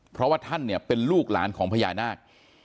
เพราะว่าท่านเนี่ยเป็นลูกหลานของพญานาค